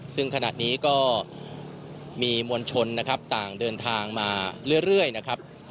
ซึ่งขณะนี้ก็มีมวลชนนะครับต่างเดินทางมาเรื่อยนะครับ